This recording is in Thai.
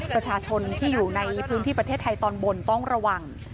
ประชาชนที่อยู่ในพื้นที่ประเทศไทยตอนบนต้องระวัง